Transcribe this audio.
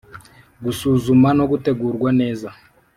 gusuzuma no gutegurwa neza